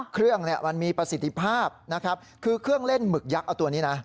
เครื่องมันมีประสิทธิภาพคือเครื่องเล่นหมึกยักษ์ตัวนี้